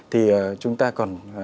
thì chúng ta còn